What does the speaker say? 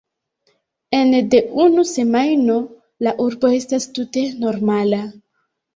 Ene de unu semajno la urbo estas tute normala